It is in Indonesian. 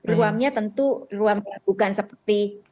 ruamnya tentu bukan seperti